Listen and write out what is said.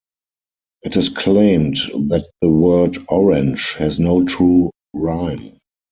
It is claimed that the word "orange" has no true rhyme.